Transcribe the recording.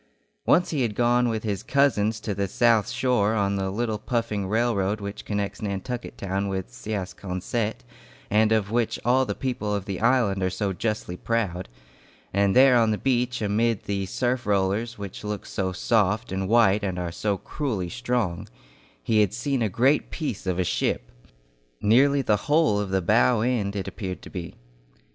Once he had gone with his cousins to the South Shore on the little puffing railroad which connects Nantucket town with Siasconsett, and of which all the people of the island are so justly proud; and there on the beach, amid the surf rollers which look so soft and white and are so cruelly strong, he had seen a great piece of a ship. Nearly the whole of the bow end it appeared to be.